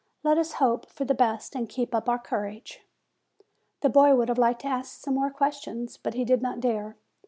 Let us hope for the best and keep up our courage." The boy would have liked to ask some more ques tions, but he did not dare.